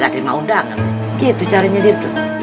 jagain motor aja gak becus